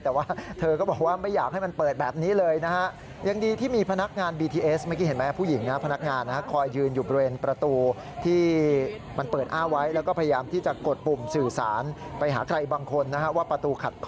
แต่ว่าเธอก็บอกว่าไม่อยากให้มันเปิดแบบนี้เลยนะฮะ